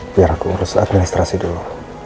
biar aku urus administrasi dulu